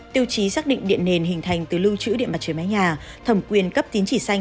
tiêu chí xác định điện nền hình thành từ lưu trữ điện mặt trời mái nhà thẩm quyền cấp tín chỉ xanh